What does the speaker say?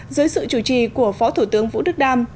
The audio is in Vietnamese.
dưới sự chủ trì của phó thủ tướng vũ đức đam